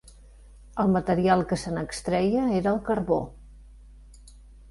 El material que se n'extreia era el carbó.